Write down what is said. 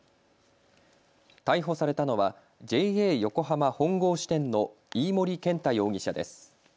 逮捕されたのはＪＡ横浜本郷支店の飯盛健太容疑者です。